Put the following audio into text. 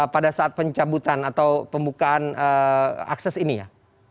pada saat pencabutan atau pembukaan akses ini ya